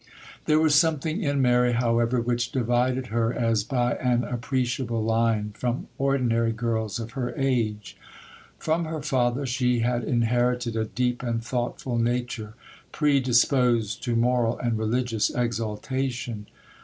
There was something in Mary, however, which divided her as by an appreciable line from ordinary girls of her age. From her father she had inherited a deep and thoughtful nature, predisposed to moral and religious exaltation.